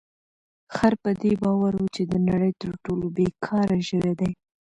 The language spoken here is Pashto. خر په دې باور و چې د نړۍ تر ټولو بې کاره ژوی دی.